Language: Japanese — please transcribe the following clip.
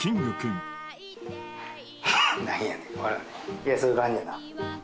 いやそういう感じやな。